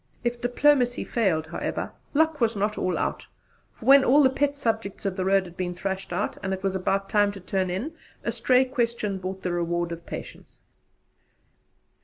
If diplomacy failed, however, luck was not all out; for when all the pet subjects of the road had been thrashed out, and it was about time to turn in, a stray question brought the reward of patience.